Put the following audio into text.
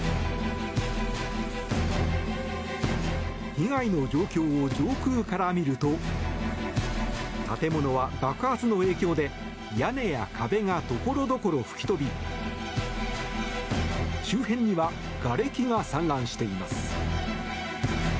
被害の状況を上空から見ると建物は爆発の影響で屋根や壁が所々、吹き飛び周辺にはがれきが散乱しています。